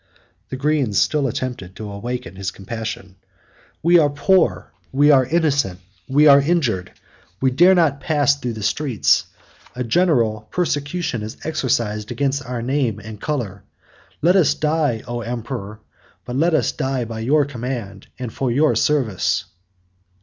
The greens still attempted to awaken his compassion. "We are poor, we are innocent, we are injured, we dare not pass through the streets: a general persecution is exercised against our name and color. Let us die, O emperor! but let us die by your command, and for your service!"